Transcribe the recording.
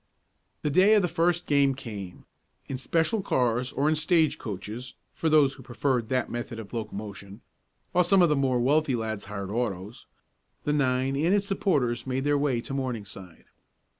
The day of the first game came. In special cars or in stage coaches, for those who preferred that method of locomotion, while some of the more wealthy lads hired autos, the nine and its supporters made their way to Morningside.